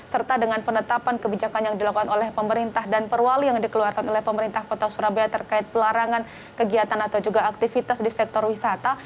serta dengan penetapan kebijakan yang dilakukan oleh pemerintah dan perwali yang dikeluarkan oleh pemerintah kota surabaya terkait pelarangan kegiatan atau juga aktivitas di sektor wisata